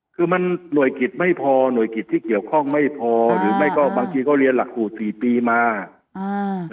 คือมันหน่วยกิจไม่พอหน่วยกิจที่เกี่ยวข้องไม่พอหรือไม่ก็บางทีเขาเรียนหลักสูตร๔ปีมา